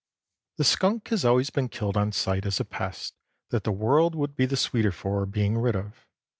The skunk has always been killed on sight as a pest that the world would be the sweeter for being rid of.